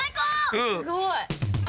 すごい。